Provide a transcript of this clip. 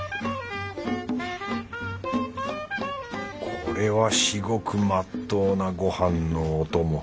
これは至極まっとうなご飯のお供。